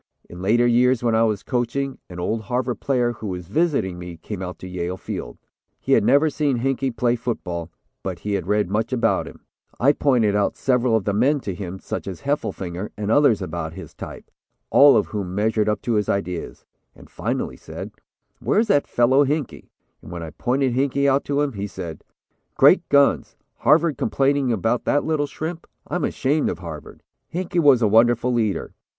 In later years when I was coaching, an old Harvard player who was visiting me, came out to Yale Field. He had never seen Hinkey play football, but he had read much about him. I pointed out several of the men to him, such as Heffelfinger, and others of about his type, all of whom measured up to his ideas, and finally said: [Illustration: SNAPPING THE BALL WITH LEWIS] [Illustration: "TWO INSEPARABLES" Frank Hinkey and the Ball.] "'Where is that fellow Hinkey?' And when I pointed Hinkey out to him, he said: "'Great guns, Harvard complaining about that little shrimp, I'm ashamed of Harvard.' "Hinkey was a wonderful leader.